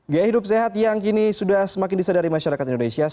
gaya hidup sehat yang kini sudah semakin disadari masyarakat indonesia